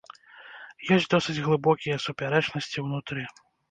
Ёсць досыць глыбокія супярэчнасці ўнутры.